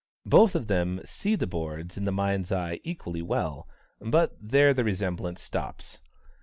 Both of them see the boards in the mind's eye equally well, but there the resemblance stops.